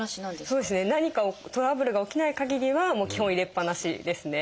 そうですね何かトラブルが起きないかぎりは基本入れっぱなしですね。